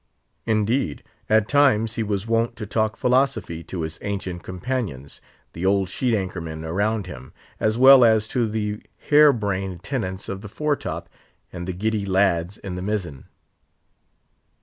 Indeed, at times he was wont to talk philosophy to his ancient companions—the old sheet anchor men around him—as well as to the hare brained tenants of the fore top, and the giddy lads in the mizzen.